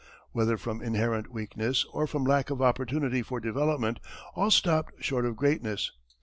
Whether from inherent weakness, or from lack of opportunity for development, all stopped short of greatness.